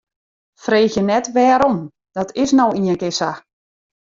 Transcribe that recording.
Freegje net wêrom, dat is no ienkear sa.